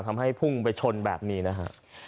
ทำให้พุ่งไปชนแบบนี้นะฮะ